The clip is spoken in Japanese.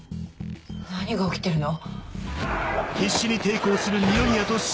何が起きてるの？